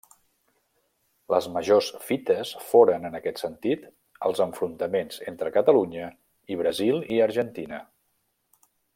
Les majors fites foren, en aquest sentit, els enfrontaments entre Catalunya i Brasil i Argentina.